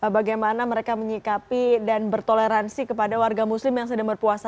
bagaimana mereka menyikapi dan bertoleransi kepada warga muslim yang sedang berpuasa